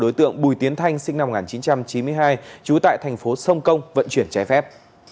đối tượng bùi tiến thanh sinh năm một nghìn chín trăm chín mươi hai trú tại thành phố sông công vận chuyển trái phép